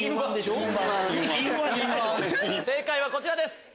正解はこちらです。